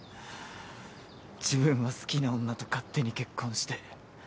自分は好きな女と勝手に結婚して。